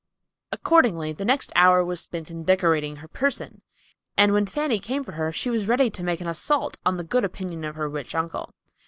Accordingly, the next hour was spent in decorating her person, and when Fanny came for her she was ready to make an assault upon the good opinion of her rich uncle.